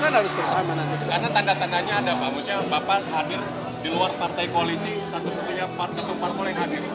karena tanda tandanya ada bang musya yang bapak hadir di luar partai koalisi satu satunya partai partai yang hadir